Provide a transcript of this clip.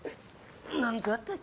何かあったっけ。